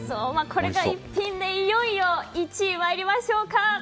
これが逸品で、いよいよ１位参りましょうか。